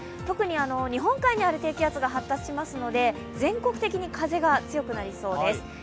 特に日本海にある低気圧が発達しますので、全国的に風が強くなりそうです。